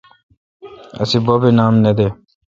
اسی بب اے نام نہ دے۔